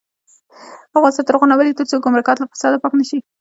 افغانستان تر هغو نه ابادیږي، ترڅو ګمرکات له فساده پاک نشي.